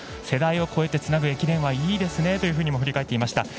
世代を超えてつなぐ駅伝はいいですねと振り返っていました。